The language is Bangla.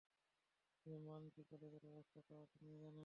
তবে মান জি, কলেজের অবস্থা তো আপনি জানেন?